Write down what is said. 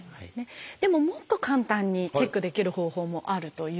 でももっと簡単にチェックできる方法もあるということなんですよね。